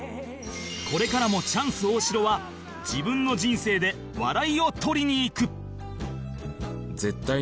これからもチャンス大城は自分の人生で笑いを取りにいく